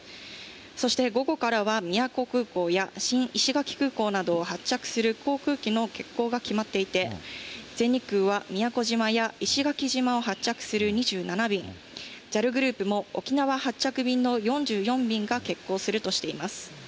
そして午後からは、宮古空港や新石垣空港などを発着する航空機の欠航が決まっていて、全日空は宮古島や石垣島を発着する２７便、ＪＡＬグループも沖縄発着便の４４便が欠航するとしています。